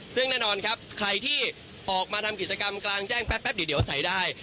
ซึ่งแน่นอนครับใครที่ออกมาทำกิจกรรมกลางแจ้งแป๊บเดี๋ยวใส่ได้